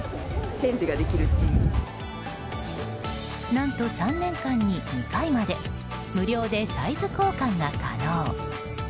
何と、３年間に２回まで無料でサイズ交換が可能。